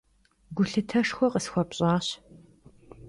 Gulhıteşşxue khısxuepş'aş.